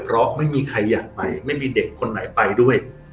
เพราะไม่มีใครอยากไปไม่มีเด็กคนไหนไปด้วย